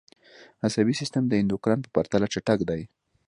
عصبي سیستم د اندوکراین په پرتله چټک دی